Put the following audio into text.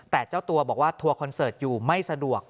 แต่เจ้าตัวบอกว่าทัวร์คอนเสิร์ตอยู่ไม่สะดวก